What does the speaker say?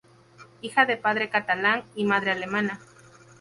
Hija de padre catalán y madre alemana.